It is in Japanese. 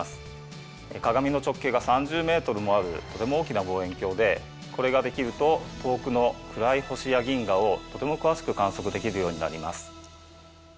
鏡の直径が３０ｍもあるとても大きな望遠鏡でこれができると遠くの暗い星や銀河をとても詳しく観測できるようになります。